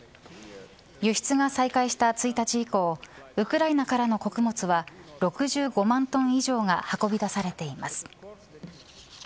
輸出が再開した１日以降ウクライナからの穀物は６５万トン以上が運び出されています。